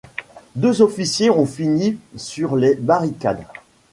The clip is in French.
Deux officiers ont fini sur les barricades.